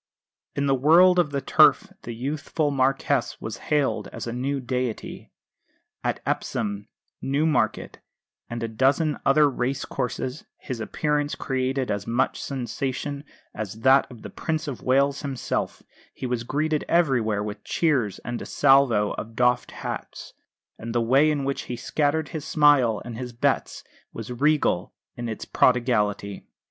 In the world of the Turf the youthful Marquess was hailed as a new deity. At Epsom, Newmarket, and a dozen other race courses his appearance created as much sensation as that of the Prince of Wales himself; he was greeted everywhere with cheers and a salvo of doffed hats; and the way in which he scattered his smiles and his bets was regal in its prodigality.